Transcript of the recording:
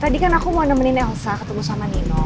tadi kan aku mau nemenin elsa ketemu sama nino